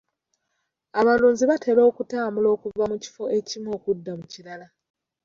Abalunzi batera okutambula okuva mu kifo ekimu okudda mu kirala.